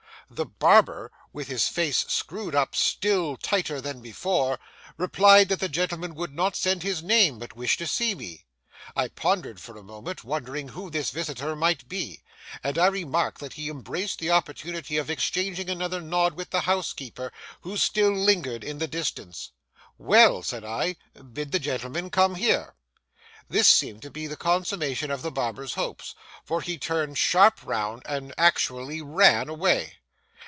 The barber, with his face screwed up still tighter than before, replied that the gentleman would not send his name, but wished to see me. I pondered for a moment, wondering who this visitor might be, and I remarked that he embraced the opportunity of exchanging another nod with the housekeeper, who still lingered in the distance. 'Well!' said I, 'bid the gentleman come here.' This seemed to be the consummation of the barber's hopes, for he turned sharp round, and actually ran away.